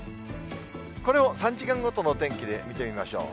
これを３時間ごとの天気で見てみましょう。